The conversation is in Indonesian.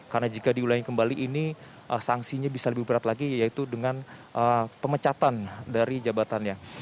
karena jika diulangi kembali ini sanksinya bisa lebih berat lagi yaitu dengan pemecatan dari jabatannya